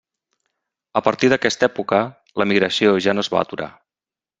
A partir d'aquesta època, l'emigració ja no es va aturar.